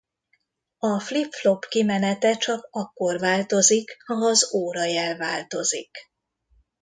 A flip-flop kimenete csak akkor változik ha az órajel változik.